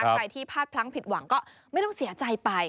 ใครที่พลาดพลั้งผิดหวังก็ไม่ต้องเสียใจไป